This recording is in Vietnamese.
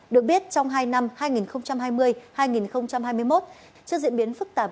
được biết trong hai năm hai nghìn hai mươi hai nghìn hai mươi một trước diễn biến phức tạp